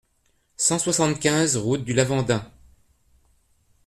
cent soixante-quinze route du Lavandin